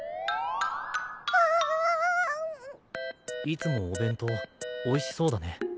いつもお弁当おいしそうだね。